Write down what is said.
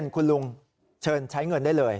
คุณลุงเชิญใช้เงินได้เลย